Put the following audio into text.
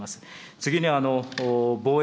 次に防衛